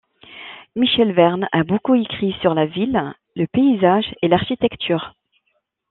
Michel Vernes a beaucoup écrit sur la ville, le paysage et l’architecture.